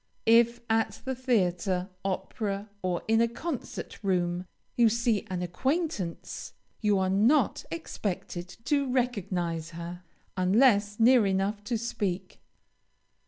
If at the theatre, opera, or in a concert room, you see an acquaintance, you are not expected to recognize her, unless near enough to speak.